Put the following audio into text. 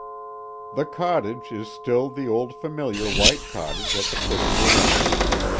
The cottage is still the old familiar white cottage at the foot of the lane.